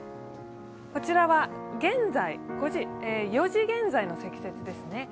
こちらは４時現在の積雪です。